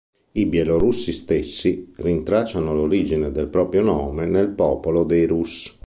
I bielorussi stessi rintracciano l'origine del proprio nome nel popolo dei Rus'.